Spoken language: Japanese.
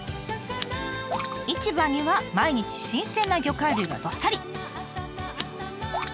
市場には毎日新鮮な魚介類がどっさり。